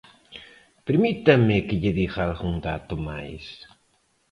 Permítame que lle diga algún dato máis.